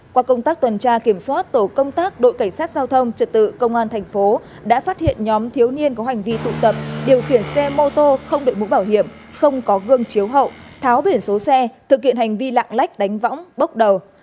qua công tác tuần tra kiểm soát tổ công tác đội cảnh sát giao thông trật tự công an thành phố đã phát hiện nhóm thiếu niên có hành vi tụ tập điều khiển xe mô tô không đội mũ bảo hiểm không có gương chiếu hậu tháo biển số xe thực hiện hành vi lạng lách đánh võng bốc đầu